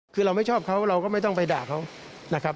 คือเราไม่ชอบเขาเราก็ไม่ต้องไปด่าเขานะครับ